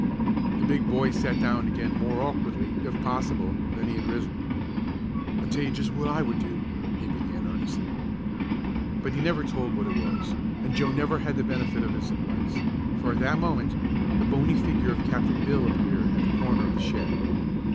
The big boy sat down again more awkwardly, if possible, than he had risen. "I'll tell ye jest what I would do," he began earnestly. But he never told what it was, and Joe never had the benefit of his advice; for at that moment the bony figure of Captain Bill appeared at the corner of the shed.